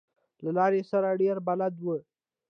له لارې سره ډېر بلد و.